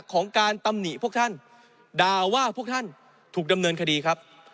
ของการตำหนิพวกท่านด่าว่าพวกท่านถูกดำเนินคดีครับ